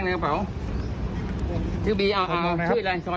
คุณสมค้าส่วนสวยงี้แล้ว